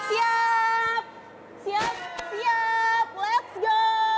siap siap let's go